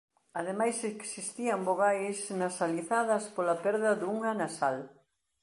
Ademais existían vogais nasalizadas pola perda dunha nasal.